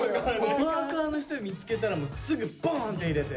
パーカーの人見つけたらすぐボーンって入れて。